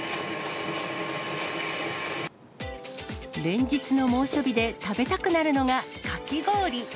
連日の猛暑日で食べたくなるのがかき氷。